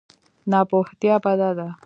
ناپوهتیا بده ده.